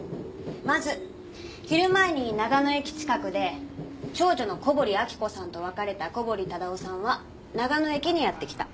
まず昼前に長野駅近くで長女の小堀明子さんと別れた小堀忠夫さんは長野駅にやって来た。